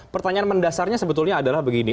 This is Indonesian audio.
pertanyaan mendasarnya sebetulnya adalah begini